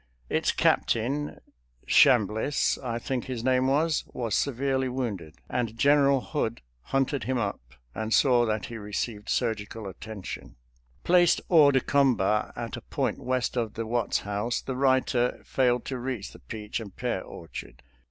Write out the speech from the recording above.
Its captain — Ohambliss, I think his name was — ^was severely wounded, and General FOURTH TEXAS AT GAINES' MILLS 301 Hood hunted him up and saw that he received surgical attention. Placed hors de combat at a point west of the Watts house, the writer failed to reach the peach and pear orchard.